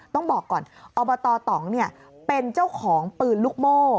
ต้องบอกก่อนอบตตองเป็นเจ้าของปืนลูกโม่